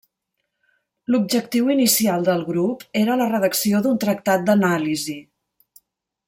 L'objectiu inicial del grup era la redacció d'un tractat d'anàlisi.